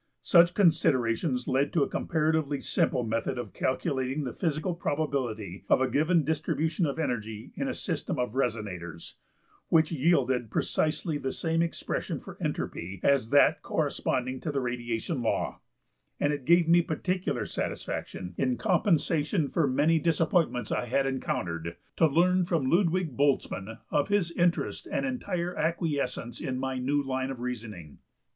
Such considerations led to a comparatively simple method of calculating the physical probability of a given distribution of energy in a system of resonators, which yielded precisely the same expression for entropy as that corresponding to the radiation law(16); and it gave me particular satisfaction, in compensation for the many disappointments I had encountered, to learn from Ludwig Boltzmann of his interest and entire acquiescence in my new line of reasoning.